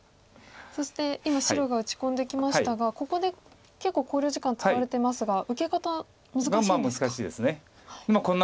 そして今白が打ち込んできましたがここで結構考慮時間使われてますが受け方難しいんですか。